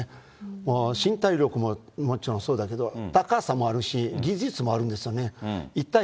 もう身体力ももちろんそうだけど、高さもあるし、技術もあるんですよね。